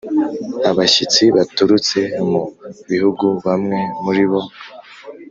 abashyitsi baturutse mu bihugu Bamwe muri bo